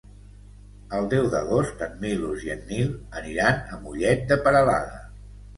El deu d'agost en Milos i en Nil aniran a Mollet de Peralada.